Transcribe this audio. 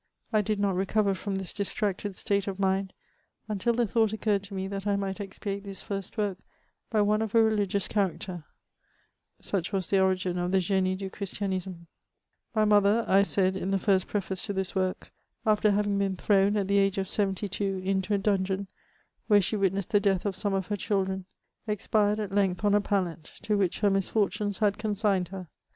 1 did not recover from this distracted state of mind, until the thought occurred to me that I might expiate this first work by one of a religious character, such was the origin of the Genie du Christianisme, '^My mother," I said, in the first preface to this work, *' after having been thrown, at the Jage of seventy two, into a dungeon, where she witnessed the death of some of her chil dren, expired at length on a pallet, to which her misfortunes had consigned her.